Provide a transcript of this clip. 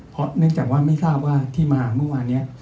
เพราะเนื่องจากว่าไม่ทราบว่าที่มาเมื่อวานนี้